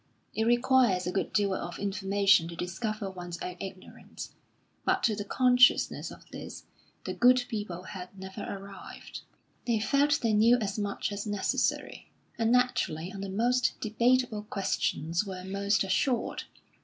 It requires a good deal of information to discover one's own ignorance, but to the consciousness of this the good people had never arrived. They felt they knew as much as necessary, and naturally on the most debatable questions were most assured.